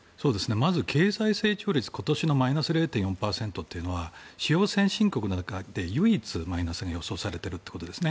まず、経済成長率今年のマイナス０．４％は主要先進国の中で唯一マイナスが予想されているということです。